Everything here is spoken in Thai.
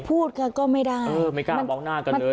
พูดกันก็ไม่ได้เออไม่กล้ามองหน้ากันเลย